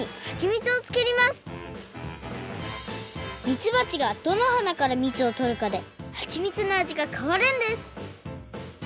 みつばちがどの花からみつをとるかではちみつの味が変わるんです